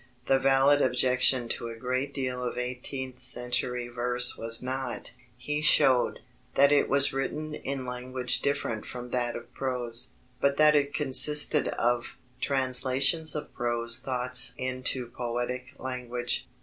The valid objection to a great deal of eighteenth century verse was not, he showed, that it was written in language different from that of prose, but that it consisted of "translations of prose thoughts into poetic language."